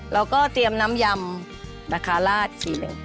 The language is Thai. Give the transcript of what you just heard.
เราก็เตรียมน้ำยำมะคาราช๔๑